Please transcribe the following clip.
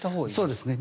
そうですね。